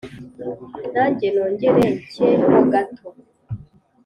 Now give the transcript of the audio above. Nanjye nongere ncye ho gato